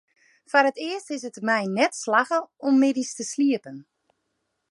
Foar it earst is it my net slagge om middeis te sliepen.